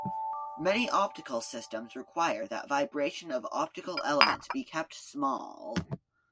Many optical systems require that vibration of optical elements be kept small.